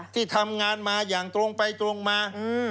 ที่ทำงานมาอย่างตรงไปตรงมา